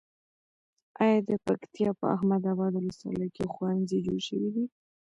ایا د پکتیا په احمد اباد ولسوالۍ کې ښوونځي جوړ شوي دي؟